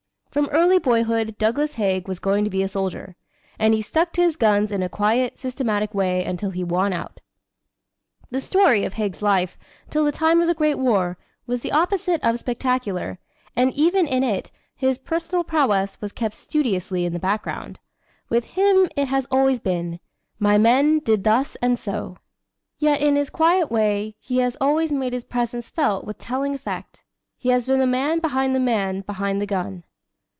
From early boyhood Douglas Haig was going to be a soldier; and he stuck to his guns in a quiet, systematic way until he won out. The story of Haig's life until the time of the Great War, was the opposite of spectacular, and even in it, his personal prowess was kept studiously in the background. With him it has always been: "My men did thus and so." Yet in his quiet way he has always made his presence felt with telling effect. He has been the man behind the man behind the gun.